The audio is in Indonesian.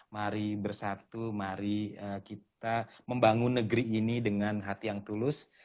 mari bersatu mari kita membangun negeri ini dengan hati yang tulus